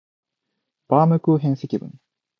バームクーヘン積分